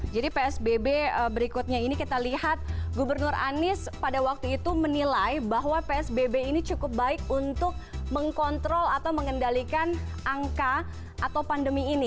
jadi psbb berikutnya ini kita lihat gubernur anies pada waktu itu menilai bahwa psbb ini cukup baik untuk mengkontrol atau mengendalikan angka atau pandemi ini